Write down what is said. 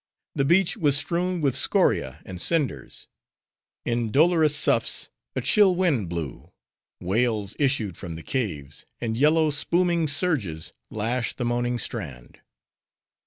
The beach was strewn with scoria and cinders; in dolorous soughs, a chill wind blew; wails issued from the caves; and yellow, spooming surges, lashed the moaning strand.